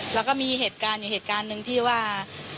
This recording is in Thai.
แล้วก็มีเหตุการณ์อยู่เหตุการณ์หนึ่งที่ว่า